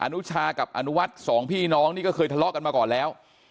นุชากับอนุวัฒน์สองพี่น้องนี่ก็เคยทะเลาะกันมาก่อนแล้ว